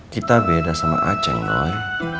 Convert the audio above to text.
kita beda sama a ceng noy